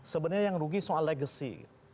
sebenarnya yang rugi soal legacy